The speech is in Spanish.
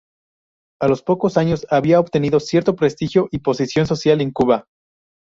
A los pocos años había obtenido cierto prestigio y posición social en Cuba.